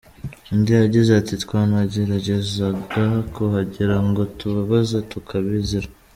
Undi yagize ati “ Twanageragezaga kuhagera ngo tubabaze tukabizira.